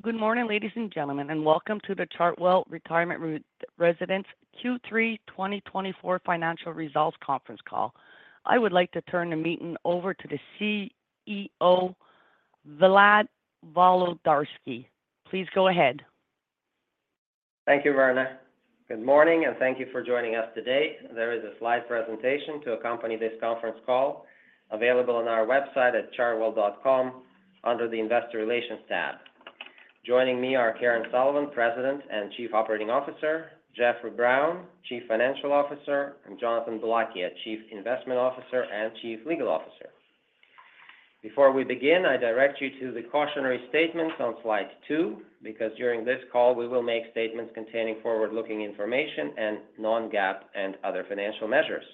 Good morning, ladies and gentlemen, and welcome to the Chartwell Retirement Residences Q3 2024 financial results conference call. I would like to turn the meeting over to the CEO, Vlad Volodarski. Please go ahead. Thank you, Verna. Good morning, and thank you for joining us today. There is a slide presentation to accompany this conference call available on our website at chartwell.com under the Investor Relations tab. Joining me are Karen Sullivan, President and Chief Operating Officer, Jeffrey Brown, Chief Financial Officer, and Jonathan Boulakia, Chief Investment Officer and Chief Legal Officer. Before we begin, I direct you to the cautionary statements on slide two because during this call we will make statements containing forward-looking information and non-GAAP and other financial measures.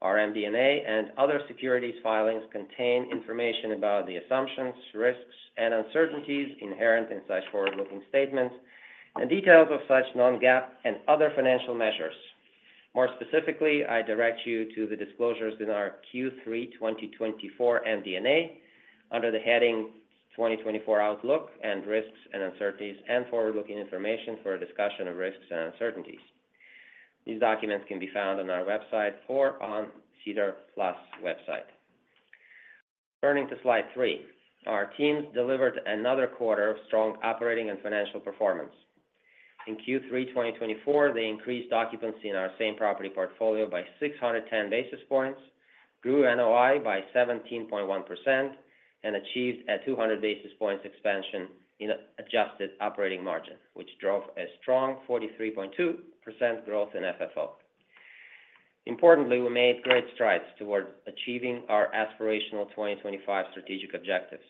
Our MD&A and other securities filings contain information about the assumptions, risks, and uncertainties inherent in such forward-looking statements and details of such non-GAAP and other financial measures. More specifically, I direct you to the disclosures in our Q3 2024 MD&A under the heading 2024 Outlook and Risks and Uncertainties and Forward-Looking Information for a discussion of risks and uncertainties. These documents can be found on our website or on SEDAR+ website. Turning to slide three, our teams delivered another quarter of strong operating and financial performance. In Q3 2024, they increased occupancy Same Property Portfolio by 610 basis points, grew NOI by 17.1%, and achieved a 200 basis points expansion in adjusted operating margin, which drove a strong 43.2% growth in FFO. Importantly, we made great strides toward achieving our aspirational 2025 strategic objectives.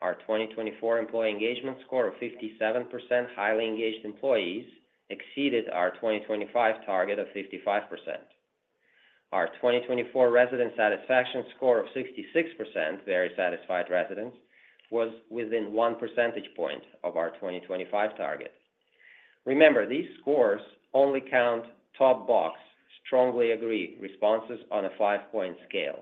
Our 2024 Employee Engagement Score of 57% highly engaged employees exceeded our 2025 target of 55%. Our 2024 resident satisfaction score of 66% very satisfied residents was within one percentage point of our 2025 target. Remember, these scores only count top box strongly agree responses on a five-point scale.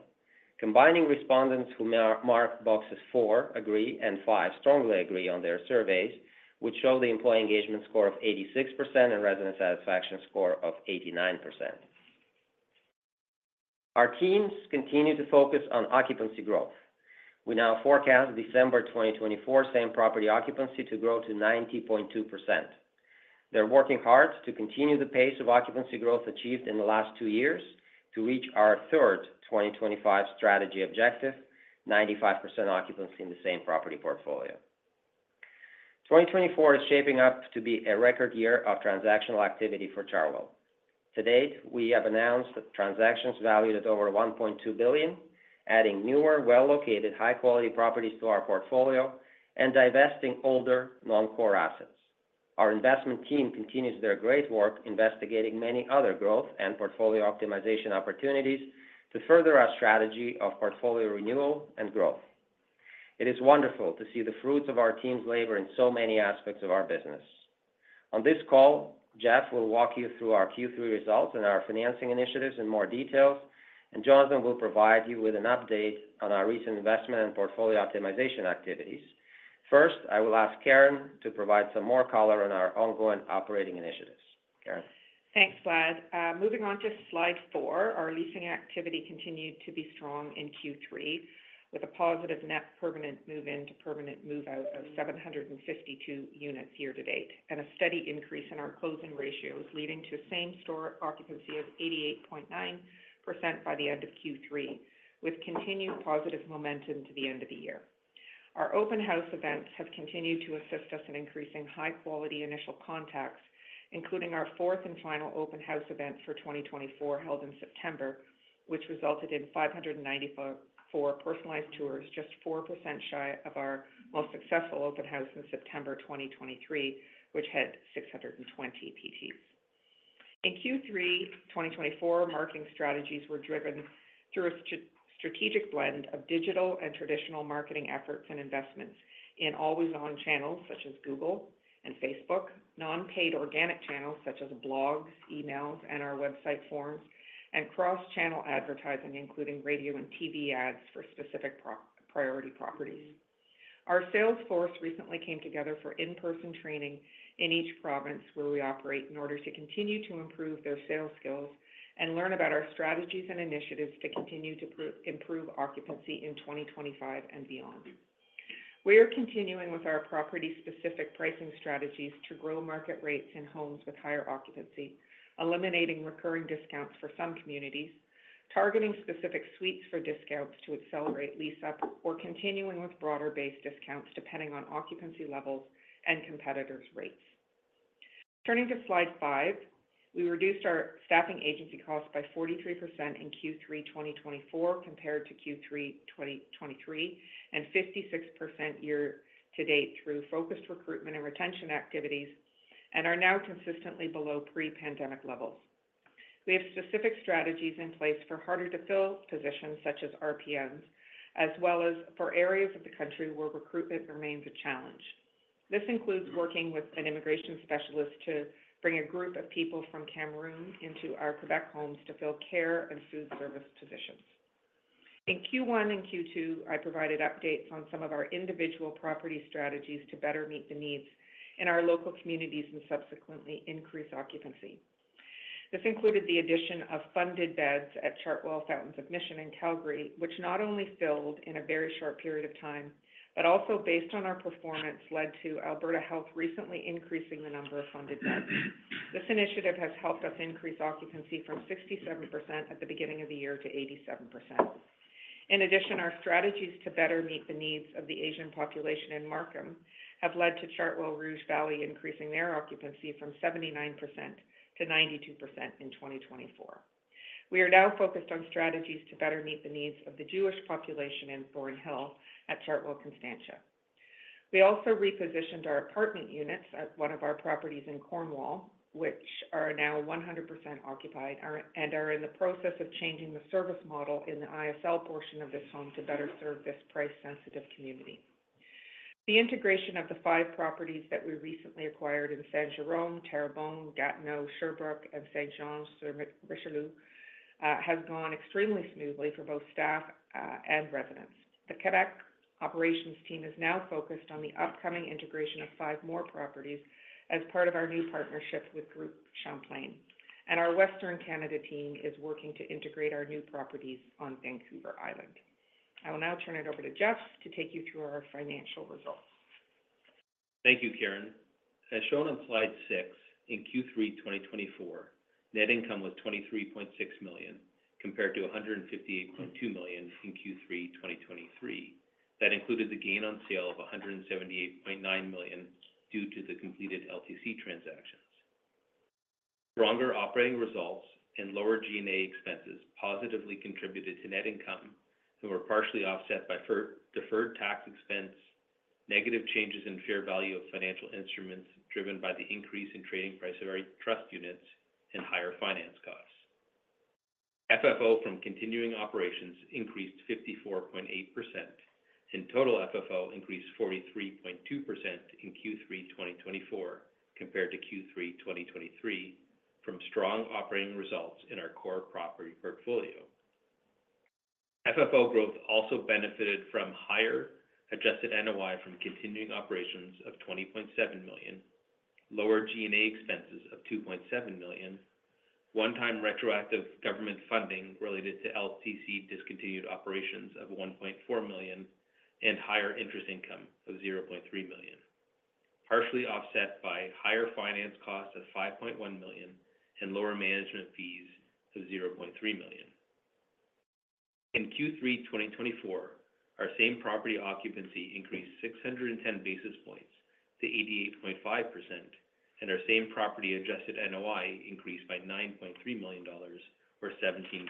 Combining respondents who mark boxes four agree and five strongly agree on their surveys, which show the employee engagement score of 86% and resident satisfaction score of 89%. Our teams continue to focus on occupancy growth. We now forecast December 2024 same property occupancy to grow to 90.2%. They're working hard to continue the pace of occupancy growth achieved in the last two years to reach our third 2025 strategy objective, 95% occupancy Same Property Portfolio. 2024 is shaping up to be a record year of transactional activity for Chartwell. To date, we have announced transactions valued at over 1.2 billion, adding newer, well-located, high-quality properties to our portfolio and divesting older, non-core assets. Our investment team continues their great work investigating many other growth and portfolio optimization opportunities to further our strategy of portfolio renewal and growth. It is wonderful to see the fruits of our team's labor in so many aspects of our business. On this call, Jeff will walk you through our Q3 results and our financing initiatives in more detail, and Jonathan will provide you with an update on our recent investment and portfolio optimization activities. First, I will ask Karen to provide some more color on our ongoing operating initiatives. Karen. Thanks, Vlad. Moving on to slide four, our leasing activity continued to be strong in Q3 with a positive net permanent move-in to permanent move-out of 752 units year to date and a steady increase in our closing ratios, leading to a same-store occupancy of 88.9% by the end of Q3, with continued positive momentum to the end of the year. Our open house events have continued to assist us in increasing high-quality initial contacts, including our fourth and final open house event for 2024 held in September, which resulted in 594 personalized tours, just 4% shy of our most successful open house in September 2023, which had 620 PTs. In Q3 2024, marketing strategies were driven through a strategic blend of digital and traditional marketing efforts and investments in always-on channels such as Google and Facebook, non-paid organic channels such as blogs, emails, and our website forms, and cross-channel advertising, including radio and TV ads for specific priority properties. Our sales force recently came together for in-person training in each province where we operate in order to continue to improve their sales skills and learn about our strategies and initiatives to continue to improve occupancy in 2025 and beyond. We are continuing with our property-specific pricing strategies to grow market rates in homes with higher occupancy, eliminating recurring discounts for some communities, targeting specific suites for discounts to accelerate lease-up, or continuing with broader base discounts depending on occupancy levels and competitors' rates. Turning to slide five, we reduced our staffing agency costs by 43% in Q3 2024 compared to Q3 2023 and 56% year-to-date through focused recruitment and retention activities and are now consistently below pre-pandemic levels. We have specific strategies in place for harder-to-fill positions such as RPMs, as well as for areas of the country where recruitment remains a challenge. This includes working with an immigration specialist to bring a group of people from Cameroon into our Quebec homes to fill care and food service positions. In Q1 and Q2, I provided updates on some of our individual property strategies to better meet the needs in our local communities and subsequently increase occupancy. This included the addition of funded beds at Chartwell Fountains of Mission in Calgary, which not only filled in a very short period of time but also, based on our performance, led to Alberta Health recently increasing the number of funded beds. This initiative has helped us increase occupancy from 67% at the beginning of the year to 87%. In addition, our strategies to better meet the needs of the Asian population in Markham have led to Chartwell Rouge Valley increasing their occupancy from 79% to 92% in 2024. We are now focused on strategies to better meet the needs of the Jewish population in Thornhill at Chartwell Constantia. We also repositioned our apartment units at one of our properties in Cornwall, which are now 100% occupied and are in the process of changing the service model in the ISL portion of this home to better serve this price-sensitive community. The integration of the five properties that we recently acquired in Saint-Jérôme, Terrebonne, Gatineau, Sherbrooke, and Saint-Jean-sur-Richelieu has gone extremely smoothly for both staff and residents. The Quebec operations team is now focused on the upcoming integration of five more properties as part of our new partnership with Groupe Champlain, and our Western Canada team is working to integrate our new properties on Vancouver Island. I will now turn it over to Jeff to take you through our financial results. Thank you, Karen. As shown on slide six, in Q3 2024, net income was CAD 23.6 million compared to CAD 158.2 million in Q3 2023. That included the gain on sale of 178.9 million due to the completed LTC transactions. Stronger operating results and lower G&A expenses positively contributed to net income, who were partially offset by deferred tax expense, negative changes in fair value of financial instruments driven by the increase in trading price of our trust units and higher finance costs. FFO from continuing operations increased 54.8%, and total FFO increased 43.2% in Q3 2024 compared to Q3 2023 from strong operating results in our core property portfolio. FFO growth also benefited from higher adjusted NOI from continuing operations of 20.7 million, lower G&A expenses of 2.7 million, one-time retroactive government funding related to LTC discontinued operations of 1.4 million, and higher interest income of 0.3 million, partially offset by higher finance costs of 5.1 million and lower management fees of 0.3 million. In Q3 2024, our same property occupancy increased 610 basis points to 88.5%, and our same property adjusted NOI increased by 9.3 million dollars or 17.1%.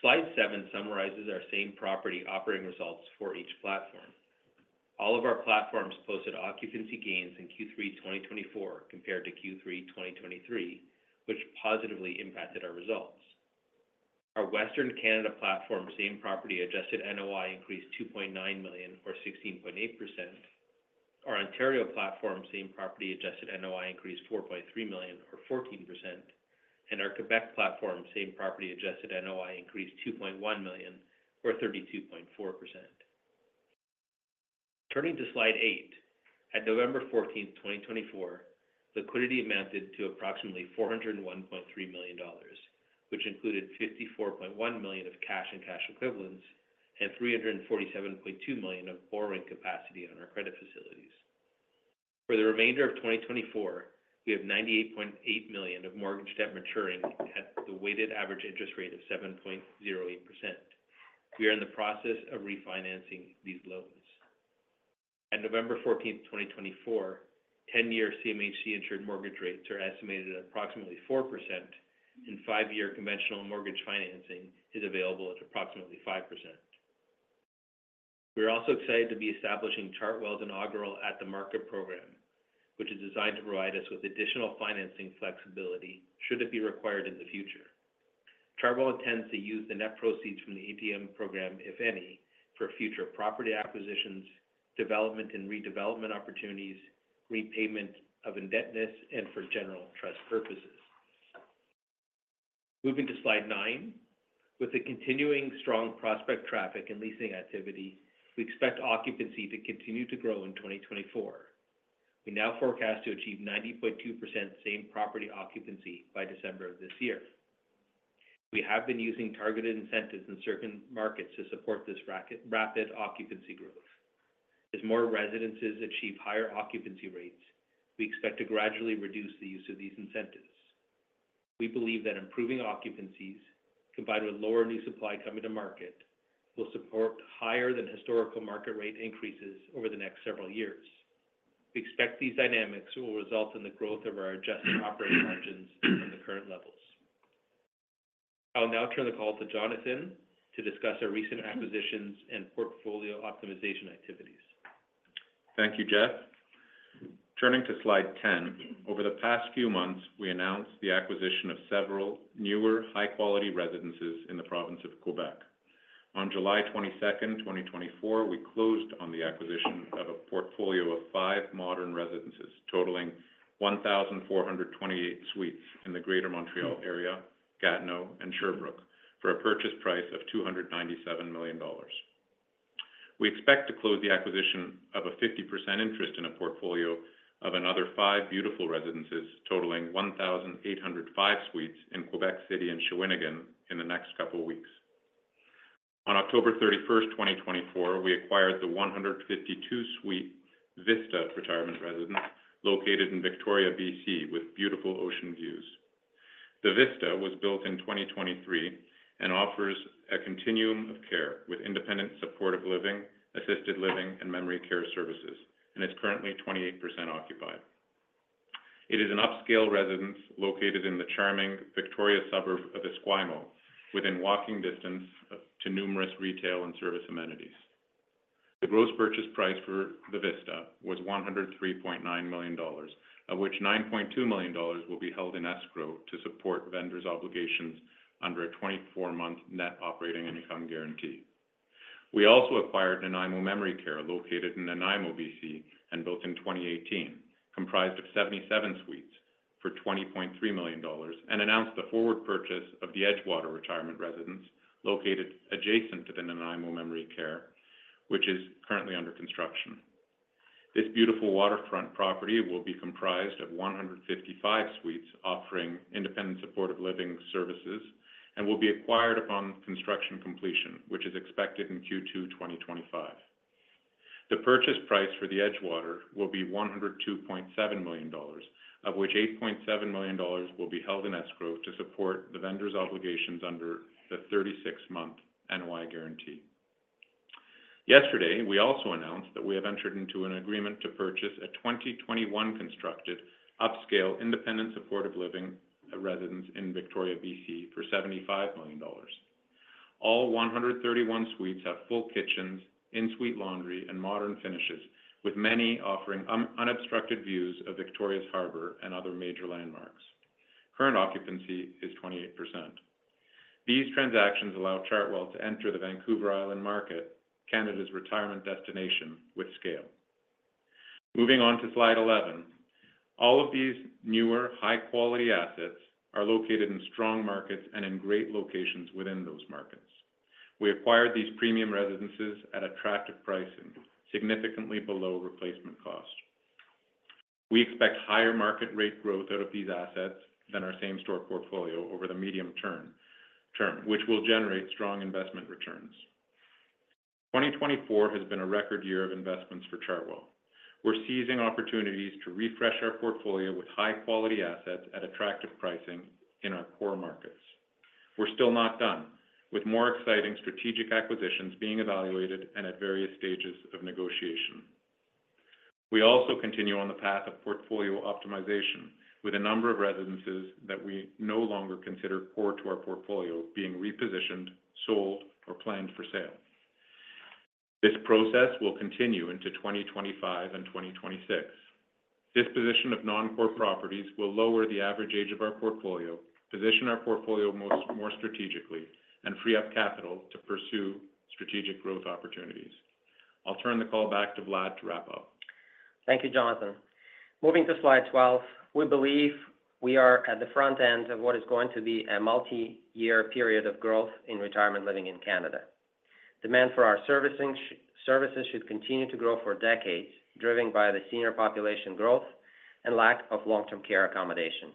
Slide seven summarizes our same property operating results for each platform. All of our platforms posted occupancy gains in Q3 2024 compared to Q3 2023, which positively impacted our results. Our Western Canada platform's same property adjusted NOI increased 2.9 million or 16.8%, our Ontario platform's same property adjusted NOI increased 4.3 million or 14%, and our Quebec platform's same property adjusted NOI increased 2.1 million or 32.4%. Turning to slide eight, at November 14, 2024, liquidity amounted to approximately 401.3 million dollars, which included 54.1 million of cash and cash equivalents and 347.2 million of borrowing capacity on our credit facilities. For the remainder of 2024, we have 98.8 million of mortgage debt maturing at the weighted average interest rate of 7.08%. We are in the process of refinancing these loans. At November 14, 2024, 10-year CMHC-insured mortgage rates are estimated at approximately 4%, and 5-year conventional mortgage financing is available at approximately 5%. We are also excited to be establishing Chartwell's inaugural At-the-Market program, which is designed to provide us with additional financing flexibility should it be required in the future. Chartwell intends to use the net proceeds from the ATM program, if any, for future property acquisitions, development and redevelopment opportunities, repayment of indebtedness, and for general trust purposes. Moving to Slide nine, with the continuing strong prospect traffic and leasing activity, we expect occupancy to continue to grow in 2024. We now forecast to achieve 90.2% same property occupancy by December of this year. We have been using targeted incentives in certain markets to support this rapid occupancy growth. As more residences achieve higher occupancy rates, we expect to gradually reduce the use of these incentives. We believe that improving occupancies, combined with lower new supply coming to market, will support higher-than-historical market rate increases over the next several years. We expect these dynamics will result in the growth of our adjusted operating margins from the current levels. I will now turn the call to Jonathan to discuss our recent acquisitions and portfolio optimization activities. Thank you, Jeff. Turning to slide 10, over the past few months, we announced the acquisition of several newer, high-quality residences in the province of Quebec. On July 22, 2024, we closed on the acquisition of a portfolio of five modern residences totaling 1,428 suites in the greater Montreal area, Gatineau, and Sherbrooke for a purchase price of 297 million dollars. We expect to close the acquisition of a 50% interest in a portfolio of another five beautiful residences totaling 1,805 suites in Quebec City and Shawinigan in the next couple of weeks. On October 31, 2024, we acquired the 152-suite Vista Retirement Residence located in Victoria, BC, with beautiful ocean views. The Vista was built in 2023 and offers a continuum of care with independent supportive living, assisted living, and memory care services and is currently 28% occupied. It is an upscale residence located in the charming Victoria suburb of Esquimalt, within walking distance to numerous retail and service amenities. The gross purchase price for the Vista was 103.9 million dollars, of which 9.2 million dollars will be held in escrow to support vendors' obligations under a 24-month net operating income guarantee. We also acquired Nanaimo Memory Care located in Nanaimo, BC, and built in 2018, comprised of 77 suites for 20.3 million dollars and announced the forward purchase of the Edgewater Retirement Residence located adjacent to the Nanaimo Memory Care, which is currently under construction. This beautiful waterfront property will be comprised of 155 suites offering independent supportive living services and will be acquired upon construction completion, which is expected in Q2 2025. The purchase price for the Edgewater will be 102.7 million dollars, of which 8.7 million dollars will be held in escrow to support the vendors' obligations under the 36-month NOI guarantee. Yesterday, we also announced that we have entered into an agreement to purchase a 2021-constructed upscale independent supportive living residence in Victoria, BC, for 75 million dollars. All 131 suites have full kitchens, en-suite laundry, and modern finishes, with many offering unobstructed views of Victoria's harbor and other major landmarks. Current occupancy is 28%. These transactions allow Chartwell to enter the Vancouver Island market, Canada's retirement destination, with scale. Moving on to slide 11, all of these newer, high-quality assets are located in strong markets and in great locations within those markets. We acquired these premium residences at attractive pricing, significantly below replacement cost. We expect higher market rate growth out of these assets than our same-store portfolio over the medium-term, which will generate strong investment returns. 2024 has been a record year of investments for Chartwell. We're seizing opportunities to refresh our portfolio with high-quality assets at attractive pricing in our core markets. We're still not done, with more exciting strategic acquisitions being evaluated and at various stages of negotiation. We also continue on the path of portfolio optimization, with a number of residences that we no longer consider core to our portfolio being repositioned, sold, or planned for sale. This process will continue into 2025 and 2026. Disposition of non-core properties will lower the average age of our portfolio, position our portfolio more strategically, and free up capital to pursue strategic growth opportunities. I'll turn the call back to Vlad to wrap up. Thank you, Jonathan. Moving to slide 12, we believe we are at the front end of what is going to be a multi-year period of growth in retirement living in Canada. Demand for our services should continue to grow for decades, driven by the senior population growth and lack of long-term care accommodation.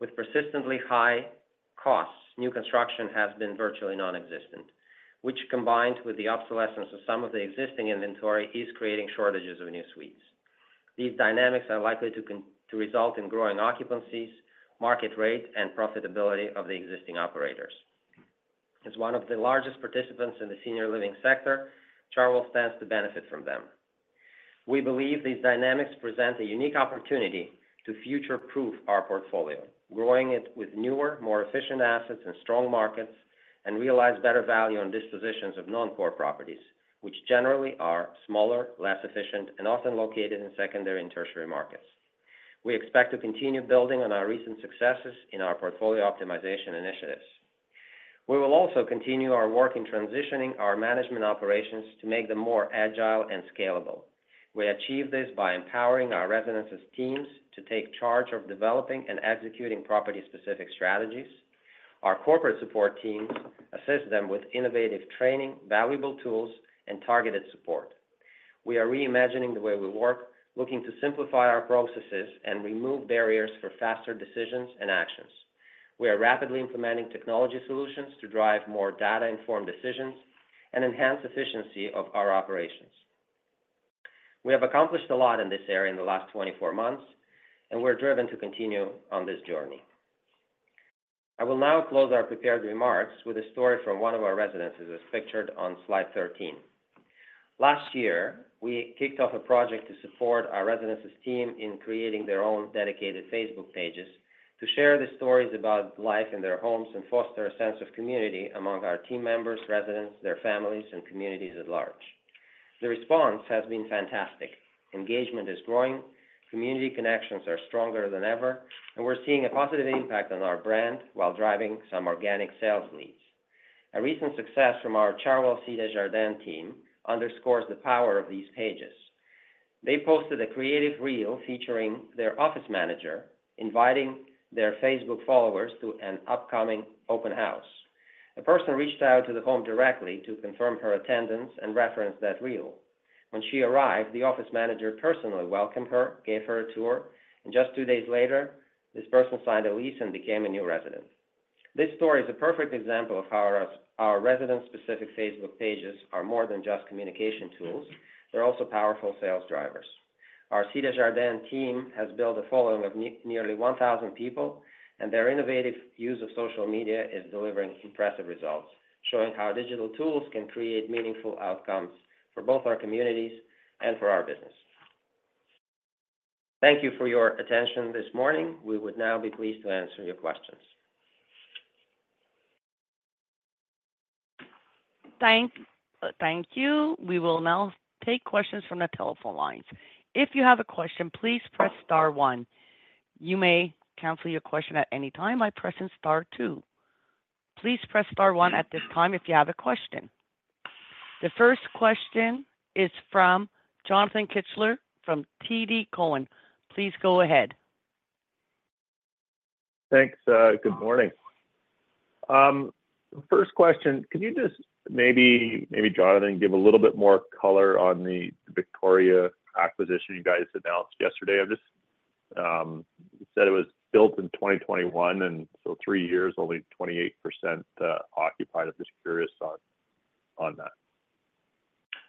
With persistently high costs, new construction has been virtually nonexistent, which, combined with the obsolescence of some of the existing inventory, is creating shortages of new suites. These dynamics are likely to result in growing occupancies, market rate, and profitability of the existing operators. As one of the largest participants in the senior living sector, Chartwell stands to benefit from them. We believe these dynamics present a unique opportunity to future-proof our portfolio, growing it with newer, more efficient assets in strong markets and realize better value on dispositions of non-core properties, which generally are smaller, less efficient, and often located in secondary and tertiary markets. We expect to continue building on our recent successes in our portfolio optimization initiatives. We will also continue our work in transitioning our management operations to make them more agile and scalable. We achieve this by empowering our residences' teams to take charge of developing and executing property-specific strategies. Our corporate support teams assist them with innovative training, valuable tools, and targeted support. We are reimagining the way we work, looking to simplify our processes and remove barriers for faster decisions and actions. We are rapidly implementing technology solutions to drive more data-informed decisions and enhance efficiency of our operations. We have accomplished a lot in this area in the last 24 months, and we're driven to continue on this journey. I will now close our prepared remarks with a story from one of our residences as pictured on slide 13. Last year, we kicked off a project to support our residences' team in creating their own dedicated Facebook pages to share the stories about life in their homes and foster a sense of community among our team members, residents, their families, and communities at large. The response has been fantastic. Engagement is growing, community connections are stronger than ever, and we're seeing a positive impact on our brand while driving some organic sales leads. A recent success from our Chartwell Cité-Jardin team underscores the power of these pages. They posted a creative reel featuring their office manager inviting their Facebook followers to an upcoming open house. A person reached out to the home directly to confirm her attendance and referenced that reel. When she arrived, the office manager personally welcomed her, gave her a tour, and just two days later, this person signed a lease and became a new resident. This story is a perfect example of how our resident-specific Facebook pages are more than just communication tools. They're also powerful sales drivers. Our Chartwell Cité-Jardin team has built a following of nearly 1,000 people, and their innovative use of social media is delivering impressive results, showing how digital tools can create meaningful outcomes for both our communities and for our business. Thank you for your attention this morning. We would now be pleased to answer your questions. Thank you. We will now take questions from the telephone lines. If you have a question, please press star one. You may cancel your question at any time by pressing star two. Please press star one at this time if you have a question. The first question is from Jonathan Kelcher from TD Cowen. Please go ahead. Thanks. Good morning. First question, could you just maybe Jonathan, give a little bit more color on the Victoria acquisition you guys announced yesterday? I just said it was built in 2021 and so three years, only 28% occupied. I'm just curious on that.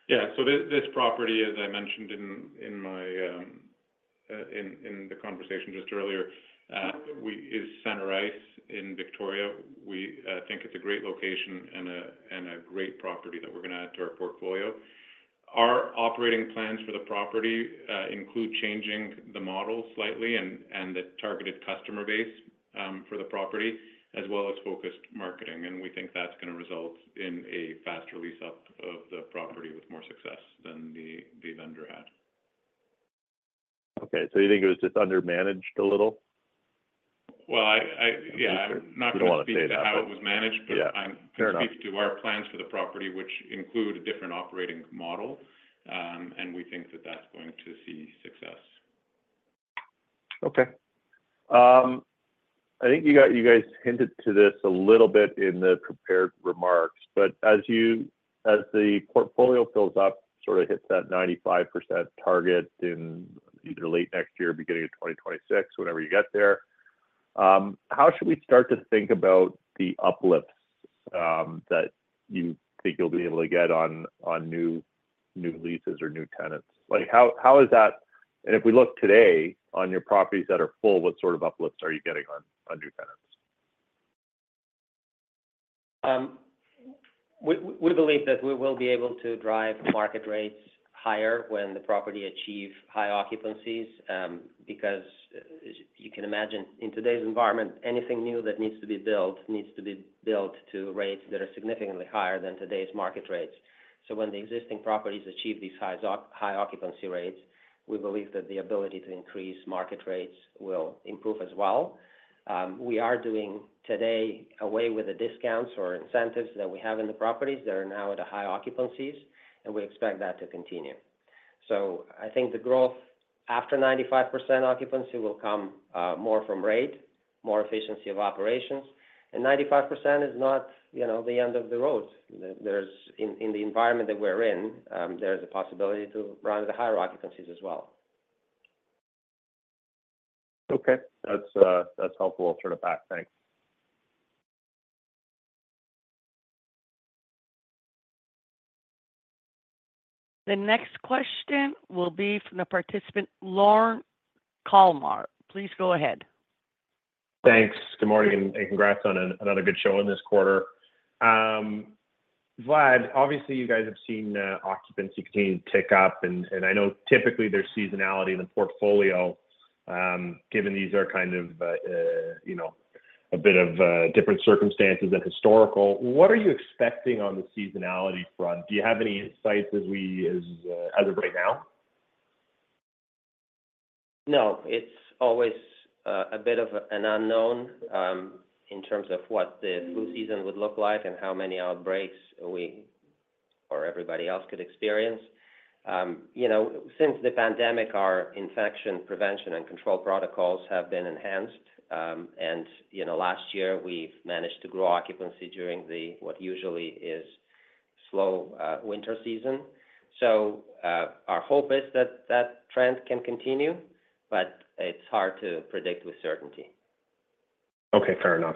Yeah. This property, as I mentioned in the conversation just earlier, is Santa Rice in Victoria. We think it's a great location and a great property that we're going to add to our portfolio. Our operating plans for the property include changing the model slightly and the targeted customer base for the property, as well as focused marketing. We think that's going to result in a faster lease-up of the property with more success than the vendor had. Okay, so you think it was just undermanaged a little? Yeah, I'm not going to say that how it was managed, but I can speak to our plans for the property, which include a different operating model, and we think that that's going to see success. Okay. I think you guys hinted to this a little bit in the prepared remarks, but as the portfolio fills up, sort of hits that 95% target in either late next year or beginning of 2026, whenever you get there, how should we start to think about the uplifts that you think you'll be able to get on new leases or new tenants? How is that? And if we look today on your properties that are full, what sort of uplifts are you getting on new tenants? We believe that we will be able to drive market rates higher when the property achieves high occupancies because you can imagine in today's environment, anything new that needs to be built needs to be built to rates that are significantly higher than today's market rates. So when the existing properties achieve these high occupancy rates, we believe that the ability to increase market rates will improve as well. We are doing away today with the discounts or incentives that we have in the properties. They're now at high occupancies, and we expect that to continue. So I think the growth after 95% occupancy will come more from rate, more efficiency of operations, and 95% is not the end of the road. In the environment that we're in, there is a possibility to run at higher occupancies as well. Okay. That's helpful. I'll turn it back. Thanks. The next question will be from the participant Lorne Kalmar. Please go ahead. Thanks. Good morning and congrats on another strong quarter. Vlad, obviously, you guys have seen occupancy continue to tick up, and I know typically there's seasonality in the portfolio given these are kind of a bit of different circumstances than historical. What are you expecting on the seasonality front? Do you have any insights as of right now? No. It's always a bit of an unknown in terms of what the flu season would look like and how many outbreaks we or everybody else could experience. Since the pandemic, our infection prevention and control protocols have been enhanced. And last year, we've managed to grow occupancy during what usually is slow winter season. So our hope is that that trend can continue, but it's hard to predict with certainty. Okay. Fair enough,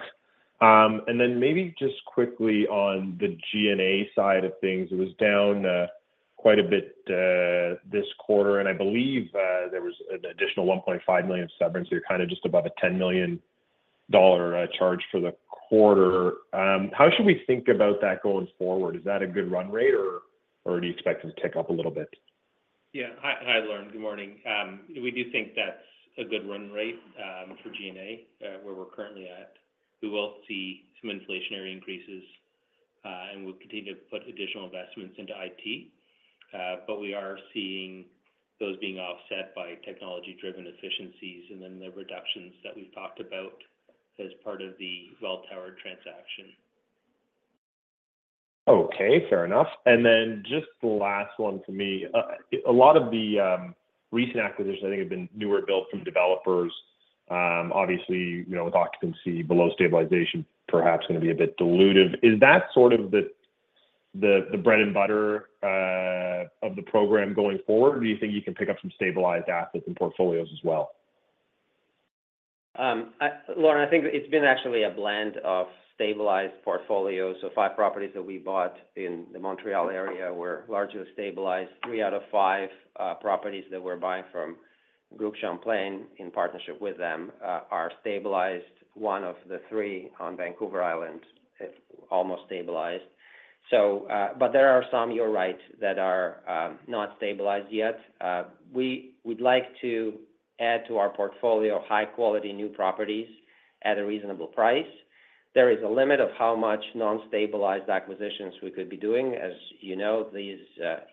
and then maybe just quickly on the G&A side of things. It was down quite a bit this quarter, and I believe there was an additional 1.5 million severance. You were kind of just above a 10 million dollar charge for the quarter. How should we think about that going forward? Is that a good run rate, or do you expect it to tick up a little bit? Yeah. Hi, Lorne. Good morning. We do think that's a good run rate for G&A where we're currently at. We will see some inflationary increases, and we'll continue to put additional investments into IT. But we are seeing those being offset by technology-driven efficiencies and then the reductions that we've talked about as part of the Welltower transaction. Okay. Fair enough. And then just the last one for me. A lot of the recent acquisitions, I think, have been newer builds from developers. Obviously, with occupancy below stabilization, perhaps going to be a bit dilutive. Is that sort of the bread and butter of the program going forward? Or do you think you can pick up some stabilized assets and portfolios as well? Lorne, I think it's been actually a blend of stabilized portfolios. So five properties that we bought in the Montreal area were largely stabilized. Three out of five properties that we're buying from Groupe Champlain in partnership with them are stabilized. One of the three on Vancouver Island almost stabilized. But there are some, you're right, that are not stabilized yet. We'd like to add to our portfolio high-quality new properties at a reasonable price. There is a limit of how much non-stabilized acquisitions we could be doing. As you know,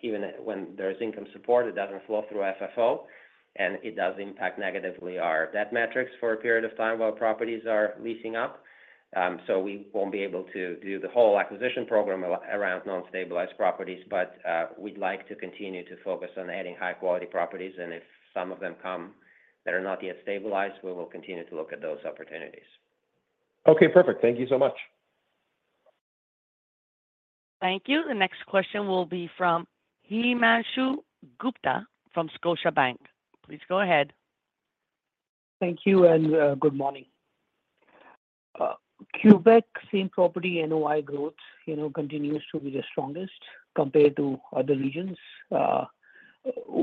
even when there is income support, it doesn't flow through FFO, and it does impact negatively our debt metrics for a period of time while properties are leasing up. So we won't be able to do the whole acquisition program around non-stabilized properties, but we'd like to continue to focus on adding high-quality properties. If some of them come that are not yet stabilized, we will continue to look at those opportunities. Okay. Perfect. Thank you so much. Thank you. The next question will be from Himanshu Gupta from Scotiabank. Please go ahead. Thank you and good morning. Quebec same property NOI growth continues to be the strongest compared to other regions.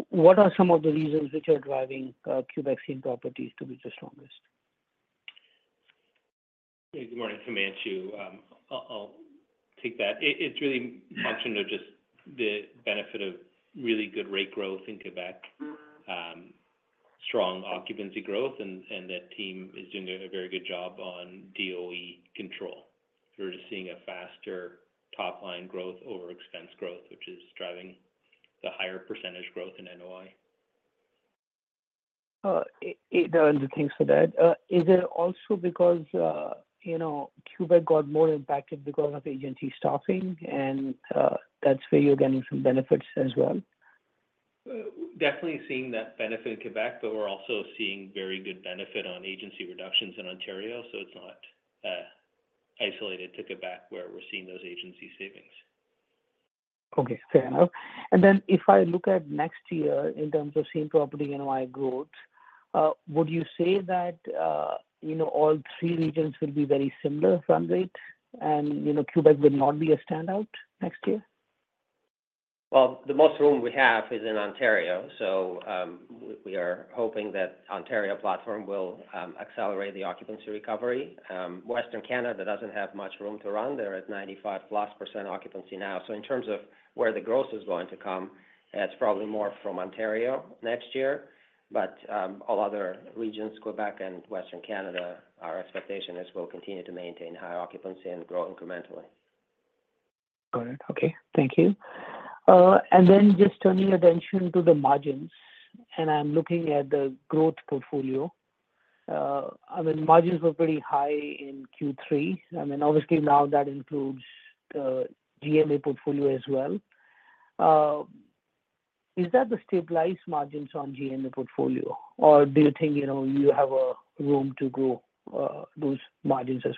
What are some of the reasons which are driving Quebec same properties to be the strongest? Hey, good morning, Himanshu. I'll take that. It's really a function of just the benefit of really good rate growth in Quebec, strong occupancy growth, and that team is doing a very good job on cost control. We're just seeing a faster top-line growth over expense growth, which is driving the higher percentage growth in NOI. It doesn't think so. Is it also because Quebec got more impacted because of agency staffing, and that's where you're getting some benefits as well? Definitely seeing that benefit in Quebec, but we're also seeing very good benefit on agency reductions in Ontario. So it's not isolated to Quebec where we're seeing those agency savings. Okay. Fair enough. And then if I look at next year in terms of same property NOI growth, would you say that all three regions will be very similar from rates and Quebec would not be a standout next year? The most room we have is in Ontario. We are hoping that the Ontario platform will accelerate the occupancy recovery. Western Canada doesn't have much room to run. They're at 95%+ occupancy now. In terms of where the growth is going to come, it's probably more from Ontario next year. All other regions, Quebec and Western Canada, our expectation is we'll continue to maintain high occupancy and grow incrementally. Got it. Okay. Thank you. And then just turning your attention to the margins, and I'm looking at the growth portfolio. I mean, margins were pretty high in Q3. I mean, obviously now that includes the G&A portfolio as well. Is that the stabilized margins on G&A portfolio, or do you think you have room to grow those margins as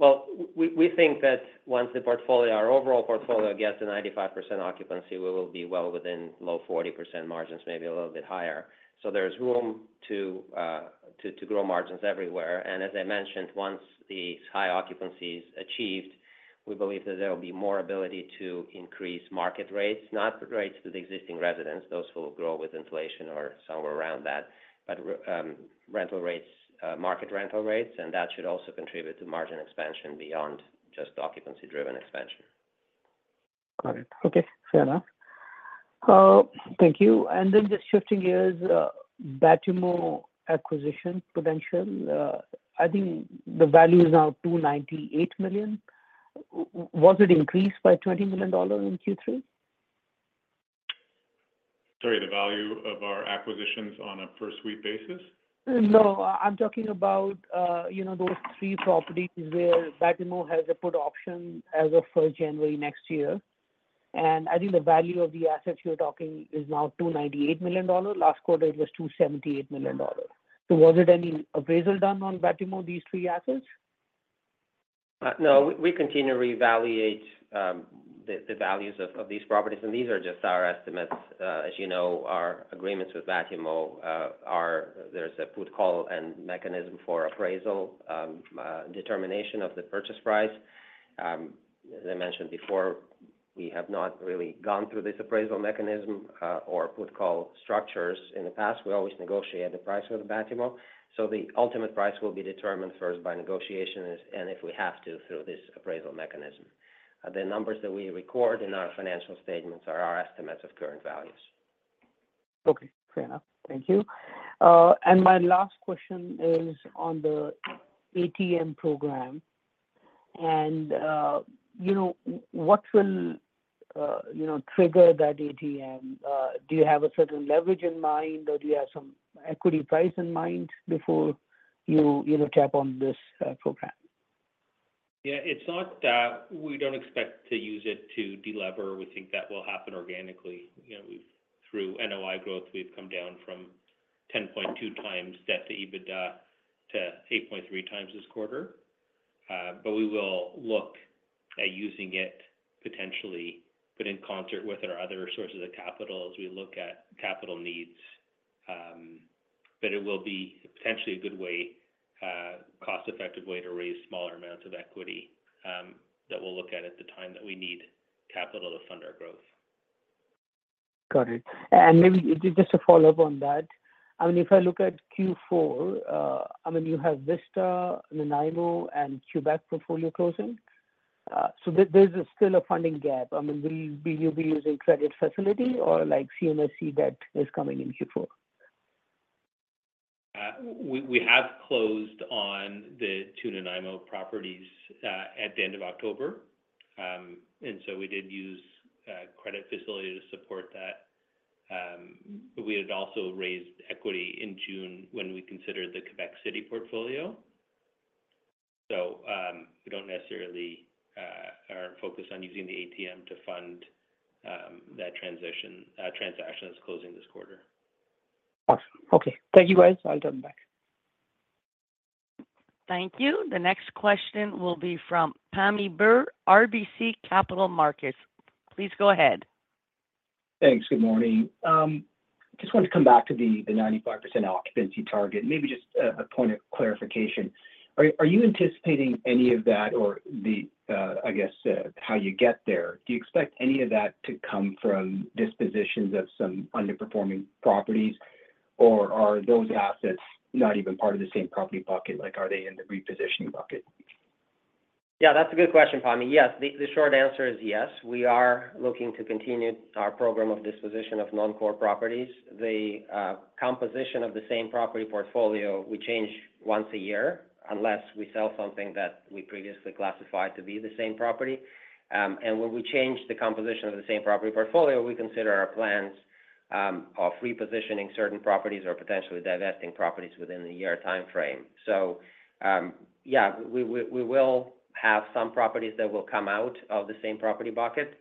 well? We think that once the portfolio, our overall portfolio gets to 95% occupancy, we will be well within low 40% margins, maybe a little bit higher. There's room to grow margins everywhere. As I mentioned, once these high occupancies are achieved, we believe that there will be more ability to increase market rates, not rates to the existing residents. Those will grow with inflation or somewhere around that, but rental rates, market rental rates, and that should also contribute to margin expansion beyond just occupancy-driven expansion. Got it. Okay. Fair enough. Thank you. And then just shifting gears back to more acquisition potential. I think the value is now 298 million. Was it increased by 20 million dollars in Q3? Sorry, the value of our acquisitions on a per-suite basis? No, I'm talking about those three properties where Bâtimo has a put option as of 1st January next year. I think the value of the assets you're talking is now 298 million dollars. Last quarter, it was 278 million dollars. Was it any appraisal done on Bâtimo, these three assets? No, we continue to reevaluate the values of these properties, and these are just our estimates. As you know, our agreements with Bâtimo, there's a put call and mechanism for appraisal determination of the purchase price. As I mentioned before, we have not really gone through this appraisal mechanism or put call structures in the past. We always negotiate the price with Bâtimo, so the ultimate price will be determined first by negotiation and if we have to through this appraisal mechanism. The numbers that we record in our financial statements are our estimates of current values. Okay. Fair enough. Thank you. And my last question is on the ATM program. And what will trigger that ATM? Do you have a certain leverage in mind, or do you have some equity price in mind before you tap on this program? Yeah. It's not that we don't expect to use it to deliver. We think that will happen organically. Through NOI growth, we've come down from 10.2 times debt to EBITDA to 8.3 times this quarter. But we will look at using it potentially, but in concert with our other sources of capital as we look at capital needs. But it will be potentially a good way, cost-effective way to raise smaller amounts of equity that we'll look at at the time that we need capital to fund our growth. Got it. And maybe just to follow up on that, I mean, if I look at Q4, I mean, you have Vista, Nanaimo, and Quebec portfolio closing. So there's still a funding gap. I mean, will you be using credit facility or CMHC debt is coming in Q4? We have closed on the two Nanaimo properties at the end of October, and so we did use credit facility to support that. But we had also raised equity in June when we considered the Quebec City portfolio. So we don't necessarily focus on using the ATM to fund that transition transaction that's closing this quarter. Awesome. Okay. Thank you, guys. I'll turn it back. Thank you. The next question will be from Pammi Bir, RBC Capital Markets. Please go ahead. Thanks. Good morning. Just wanted to come back to the 95% occupancy target. Maybe just a point of clarification. Are you anticipating any of that or the, I guess, how you get there? Do you expect any of that to come from dispositions of some underperforming properties, or are those assets not even part of the same property bucket? Are they in the repositioning bucket? Yeah, that's a good question, Pammi. Yes. The short answer is yes. We are looking to continue our program of disposition of non-core properties. The composition Same Property Portfolio, we change once a year unless we sell something that we previously classified the Same Property Portfolio. and when we change the composition Same Property Portfolio, we consider our plans of repositioning certain properties or potentially divesting properties within the year timeframe. So yeah, we will have some properties that will come out of the same property bucket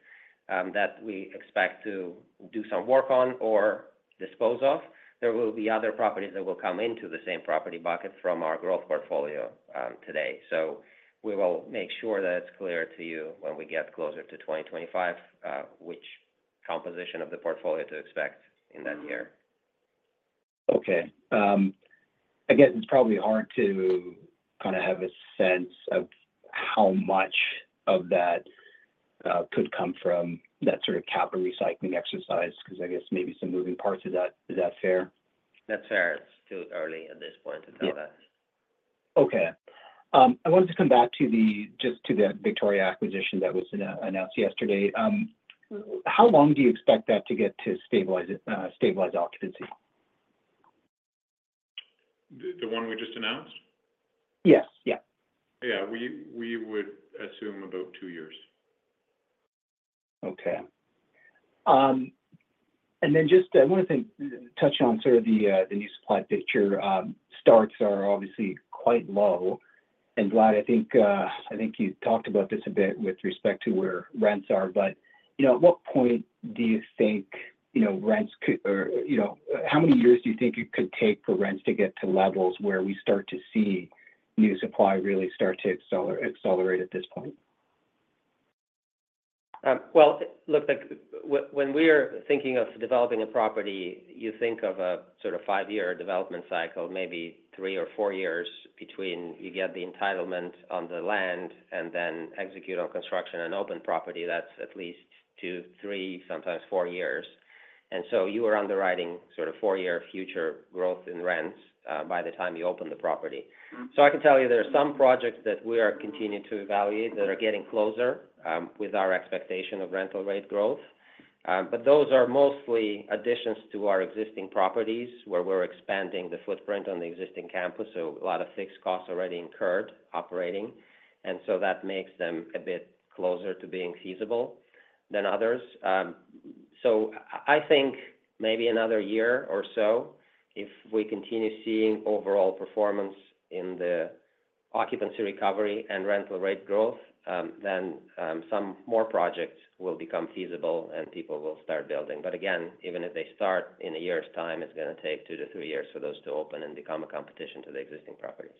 that we expect to do some work on or dispose of. There will be other properties that will come into the same property bucket from our growth portfolio today. So we will make sure that it's clear to you when we get closer to 2025 which composition of the portfolio to expect in that year. Okay. I guess it's probably hard to kind of have a sense of how much of that could come from that sort of capital recycling exercise because I guess maybe some moving parts of that. Is that fair? That's fair. It's too early at this point to tell that. Yeah. Okay. I wanted to come back just to that Victoria acquisition that was announced yesterday. How long do you expect that to get to stabilize occupancy? The one we just announced? Yes. Yeah. Yeah. We would assume about two years. Okay. And then just I want to touch on sort of the new supply picture. Starts are obviously quite low. And Vlad, I think you talked about this a bit with respect to where rents are. But at what point do you think rents or how many years do you think it could take for rents to get to levels where we start to see new supply really start to accelerate at this point? Well, look, when we are thinking of developing a property, you think of a sort of five-year development cycle, maybe three or four years between you get the entitlement on the land and then execute on construction and open property. That's at least two, three, sometimes four years. And so you are underwriting sort of four-year future growth in rents by the time you open the property. So I can tell you there are some projects that we are continuing to evaluate that are getting closer with our expectation of rental rate growth. But those are mostly additions to our existing properties where we're expanding the footprint on the existing campus. So a lot of fixed costs already incurred operating. And so that makes them a bit closer to being feasible than others. So I think maybe another year or so, if we continue seeing overall performance in the occupancy recovery and rental rate growth, then some more projects will become feasible and people will start building. But again, even if they start in a year's time, it's going to take two to three years for those to open and become a competition to the existing properties.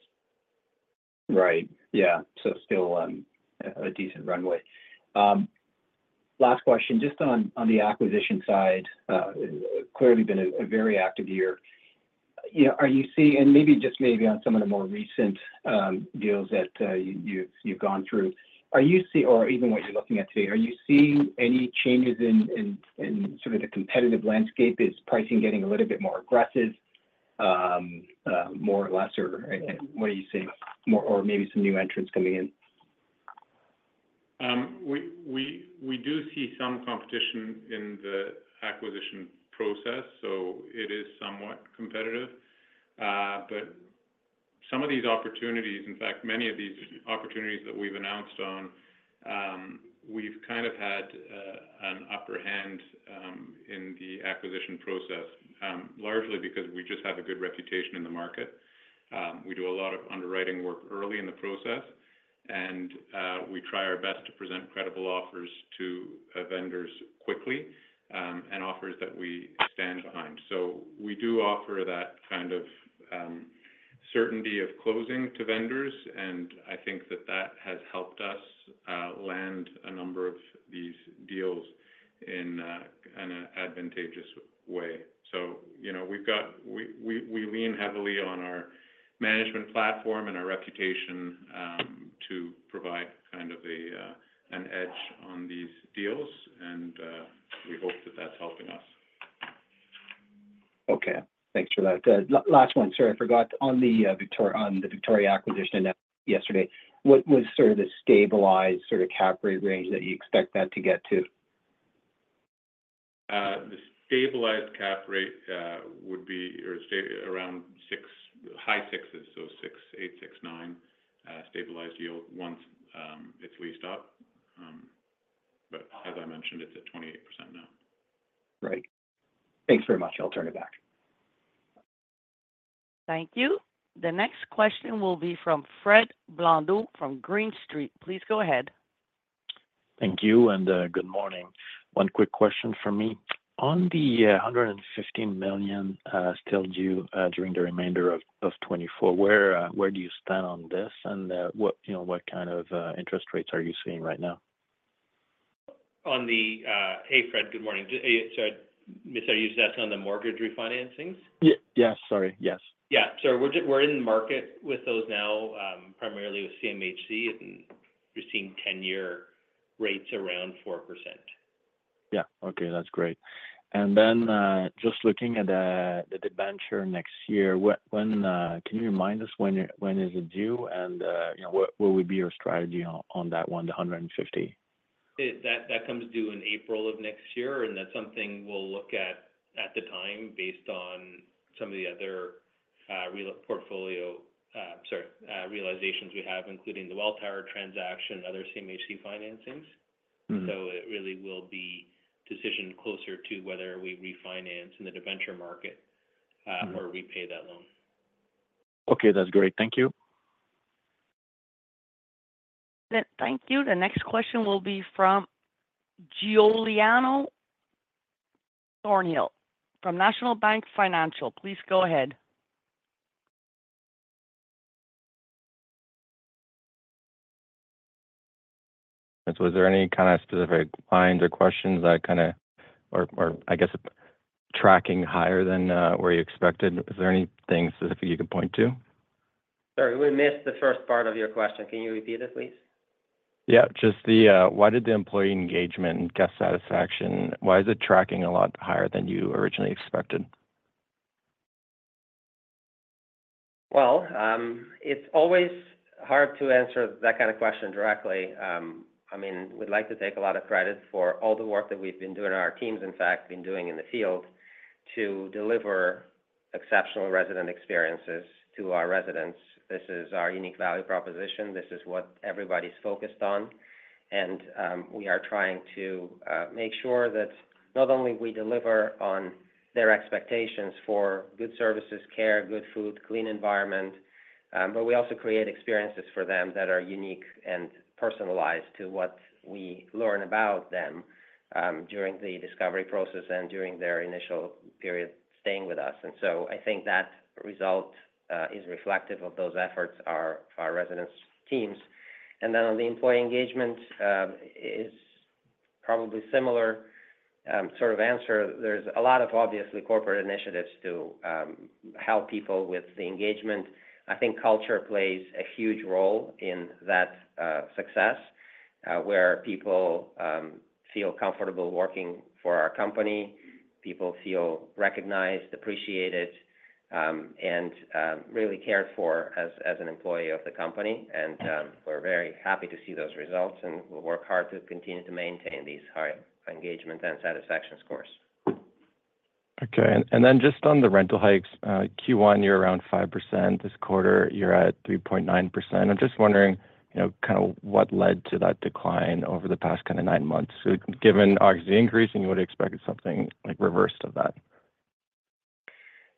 Right. Yeah, so still a decent runway. Last question, just on the acquisition side, clearly been a very active year and maybe just maybe on some of the more recent deals that you've gone through, or even what you're looking at today, are you seeing any changes in sort of the competitive landscape? Is pricing getting a little bit more aggressive, more or less, or what do you see? Or maybe some new entrants coming in? We do see some competition in the acquisition process, so it is somewhat competitive, but some of these opportunities, in fact, many of these opportunities that we've announced on, we've kind of had an upper hand in the acquisition process, largely because we just have a good reputation in the market. We do a lot of underwriting work early in the process, and we try our best to present credible offers to vendors quickly and offers that we stand behind, so we do offer that kind of certainty of closing to vendors, and I think that that has helped us land a number of these deals in an advantageous way, so we lean heavily on our management platform and our reputation to provide kind of an edge on these deals, and we hope that that's helping us. Okay. Thanks for that. Last one. Sorry, I forgot. On the Victoria acquisition yesterday, what was sort of the stabilized sort of cap rate range that you expect that to get to? The stabilized cap rate would be around high sixes, so 6.8-6.9% stabilized yield once it's leased up. But as I mentioned, it's at 28% now. Right. Thanks very much. I'll turn it back. Thank you. The next question will be from Fred Blondeau from Green Street. Please go ahead. Thank you. And good morning. One quick question for me. On the 115 million still due during the remainder of 2024, where do you stand on this? And what kind of interest rates are you seeing right now? Hey, Fred, good morning. So you're just asking on the mortgage refinancings? Yes. Sorry. Yes. Yeah. So we're in the market with those now, primarily with CMHC. And we're seeing 10-year rates around 4%. Yeah. Okay. That's great. And then just looking at the debenture next year, can you remind us when is it due? And what would be your strategy on that one, the 150? That comes due in April of next year. And that's something we'll look at at the time based on some of the other portfolio, sorry, realizations we have, including the Welltower transaction and other CMHC financings. So it really will be decision closer to whether we refinance in the debenture market or repay that loan. Okay. That's great. Thank you. Thank you. The next question will be from Giuliano Thornhill from National Bank Financial. Please go ahead. So was there any kind of specific lines or questions that kind of, or I guess tracking higher than where you expected? Is there anything specific you could point to? Sorry, we missed the first part of your question. Can you repeat it, please? Yeah. Just why did the employee engagement and guest satisfaction, why is it tracking a lot higher than you originally expected? Well, it's always hard to answer that kind of question directly. I mean, we'd like to take a lot of credit for all the work that we've been doing, our teams, in fact, been doing in the field, to deliver exceptional resident experiences to our residents. This is our unique value proposition. This is what everybody's focused on. And we are trying to make sure that not only we deliver on their expectations for good services, care, good food, clean environment, but we also create experiences for them that are unique and personalized to what we learn about them during the discovery process and during their initial period staying with us. And so I think that result is reflective of those efforts, our residents' teams. And then on the employee engagement, it is probably a similar sort of answer. There's a lot of obviously corporate initiatives to help people with the engagement. I think culture plays a huge role in that success where people feel comfortable working for our company. People feel recognized, appreciated, and really cared for as an employee of the company. And we're very happy to see those results. And we'll work hard to continue to maintain these high engagement and satisfaction scores. Okay. And then just on the rental hikes, Q1, you're around 5%. This quarter, you're at 3.9%. I'm just wondering kind of what led to that decline over the past kind of nine months. So given the increase, you would expect something reversed of that.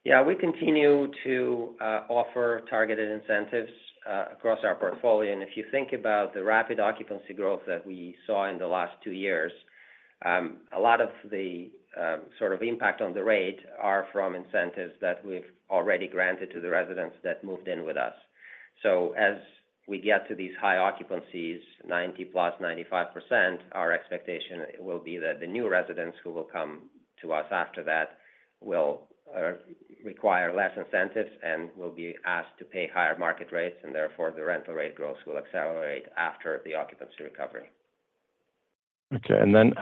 Yeah. We continue to offer targeted incentives across our portfolio. And if you think about the rapid occupancy growth that we saw in the last two years, a lot of the sort of impact on the rate are from incentives that we've already granted to the residents that moved in with us. So as we get to these high occupancies, 90%+, 95%, our expectation will be that the new residents who will come to us after that will require less incentives and will be asked to pay higher market rates. And therefore, the rental rate growth will accelerate after the occupancy recovery. Okay. And then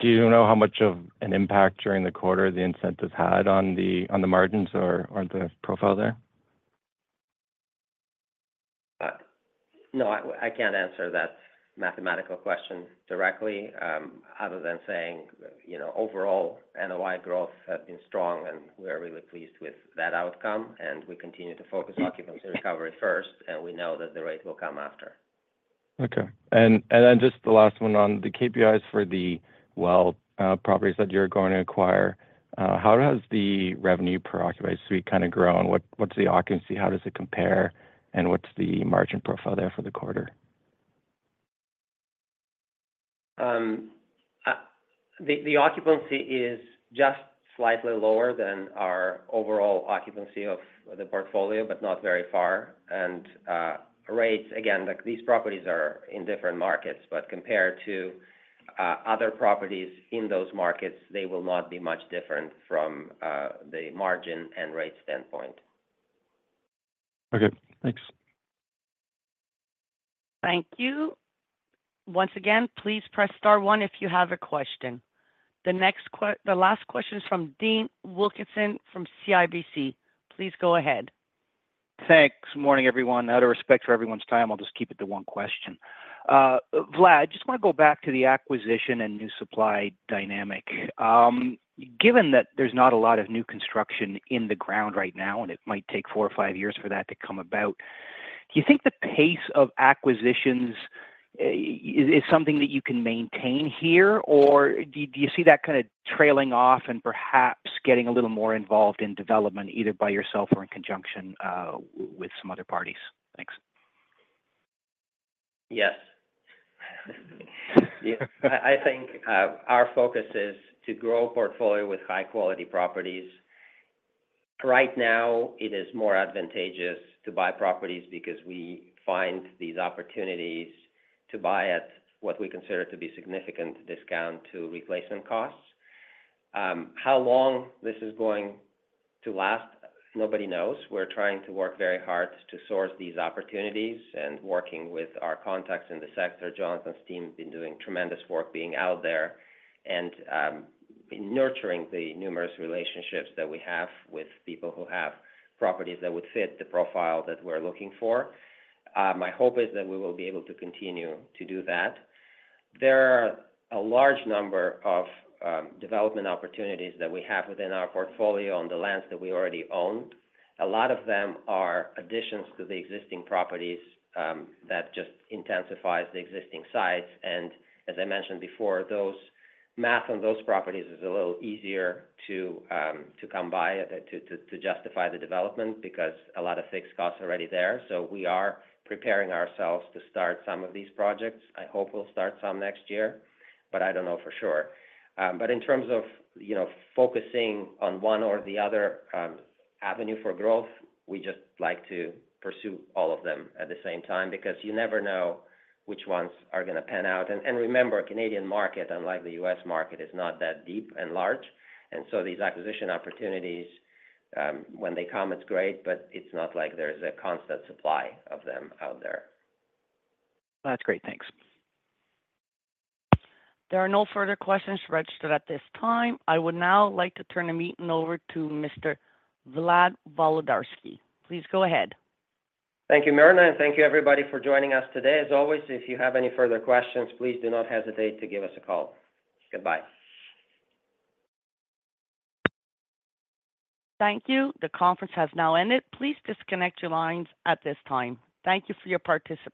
do you know how much of an impact during the quarter the incentives had on the margins or the profile there? No. I can't answer that mathematical question directly other than saying overall, NOI growth has been strong. And we are really pleased with that outcome. And we continue to focus occupancy recovery first. And we know that the rate will come after. Okay. And then just the last one on the KPIs for the Welltower properties that you're going to acquire. How has the revenue per occupied suite kind of grown? What's the occupancy? How does it compare? And what's the margin profile there for the quarter? The occupancy is just slightly lower than our overall occupancy of the portfolio, but not very far, and rates, again, these properties are in different markets, but compared to other properties in those markets, they will not be much different from the margin and rate standpoint. Okay. Thanks. Thank you. Once again, please press star one if you have a question. The last question is from Dean Wilkinson from CIBC. Please go ahead. Thanks. Morning, everyone. Out of respect for everyone's time, I'll just keep it to one question. Vlad, I just want to go back to the acquisition and new supply dynamic. Given that there's not a lot of new construction in the ground right now, and it might take four or five years for that to come about, do you think the pace of acquisitions is something that you can maintain here? Or do you see that kind of trailing off and perhaps getting a little more involved in development either by yourself or in conjunction with some other parties? Thanks. Yes. I think our focus is to grow a portfolio with high-quality properties. Right now, it is more advantageous to buy properties because we find these opportunities to buy at what we consider to be significant discount to replacement costs. How long this is going to last, nobody knows. We're trying to work very hard to source these opportunities, and working with our contacts in the sector, Jonathan's team has been doing tremendous work being out there and nurturing the numerous relationships that we have with people who have properties that would fit the profile that we're looking for. My hope is that we will be able to continue to do that. There are a large number of development opportunities that we have within our portfolio on the lands that we already own. A lot of them are additions to the existing properties that just intensifies the existing sites. And as I mentioned before, math on those properties is a little easier to come by to justify the development because a lot of fixed costs are already there. So we are preparing ourselves to start some of these projects. I hope we'll start some next year, but I don't know for sure. But in terms of focusing on one or the other avenue for growth, we just like to pursue all of them at the same time because you never know which ones are going to pan out. And remember, Canadian market, unlike the U.S. market, is not that deep and large. And so these acquisition opportunities, when they come, it's great. But it's not like there's a constant supply of them out there. That's great. Thanks. There are no further questions registered at this time. I would now like to turn the meeting over to Mr. Vlad Volodarski. Please go ahead. Thank you, Marina. And thank you, everybody, for joining us today. As always, if you have any further questions, please do not hesitate to give us a call. Goodbye. Thank you. The conference has now ended. Please disconnect your lines at this time. Thank you for your participation.